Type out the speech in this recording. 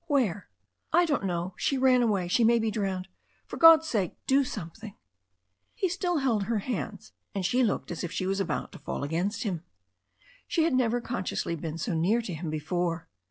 Where?" "I don't know. She ran away — she may be drowned. For God's sake do something " He still held her hands, and she looked as if she was about to fall against him. She had never consciously been so near to him before.